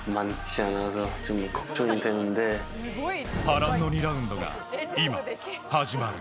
波乱の２ラウンドが今、始まる。